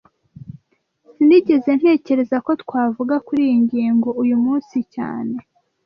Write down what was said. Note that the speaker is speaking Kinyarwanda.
Sinigeze ntekereza ko twavuga kuriyi ngingo uyu munsi cyane